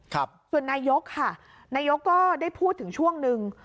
ครับส่วนนายกค่ะนายกก็ได้พูดถึงช่วงหนึ่ง